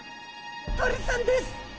鳥さんです。